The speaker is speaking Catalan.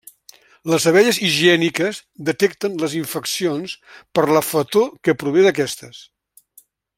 Les abelles higièniques detecten les infeccions per la fetor que prové d'aquestes.